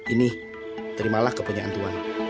ini terimalah kepunyaan tuan